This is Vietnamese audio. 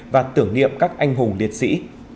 và tưởng niệm các anh hùng liệt sĩ